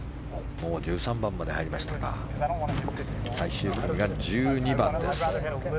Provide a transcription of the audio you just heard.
もう１３番まで入りましたが最終組が１２番です。